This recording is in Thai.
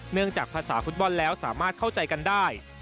เนื่องจากภาษาฟุตบอลแล้วสามารถเข้าใจกันได้